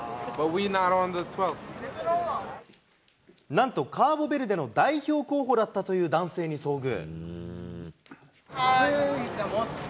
なんと、カーボベルデの代表候補だったという男性に遭遇。